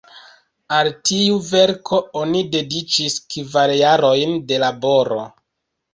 Al tiu verko oni dediĉis kvar jarojn de laboro.